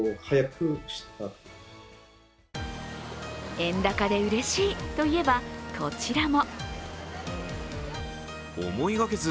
円高でうれしいといえばこちらも。